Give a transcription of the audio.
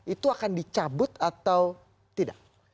itu akan dicabut atau tidak